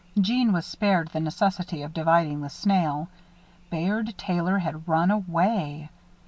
Jeanne was spared the necessity of dividing the snail. Bayard Taylor had run away!